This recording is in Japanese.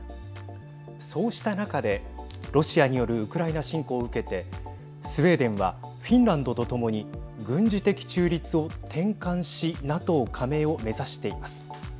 そうした中で、ロシアによるウクライナ侵攻を受けてスウェーデンはフィンランドと共に軍事的中立を転換しＮＡＴＯ加盟を目指しています。